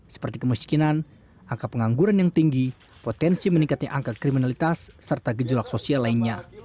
seperti kemiskinan angka pengangguran yang tinggi potensi meningkatnya angka kriminalitas serta gejolak sosial lainnya